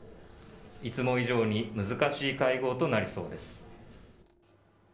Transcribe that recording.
いつも以上に難しい会合となりそうです。